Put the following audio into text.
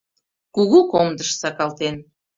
Кугу комдыш сакалтен